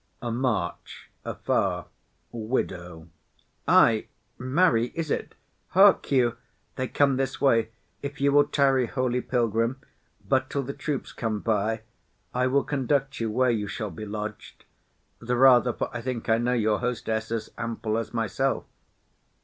[A march afar.] WIDOW. Ay, marry, is't. Hark you, they come this way. If you will tarry, holy pilgrim, But till the troops come by, I will conduct you where you shall be lodg'd; The rather for I think I know your hostess As ample as myself.